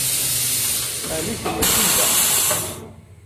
Ɛni kemm mačči n da?